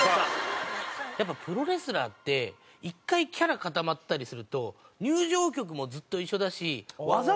やっぱりプロレスラーって１回キャラ固まったりすると入場曲もずっと一緒だし技もずっと一緒なんですよ。